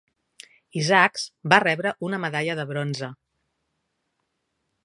Isaacs va rebre una medalla de bronze.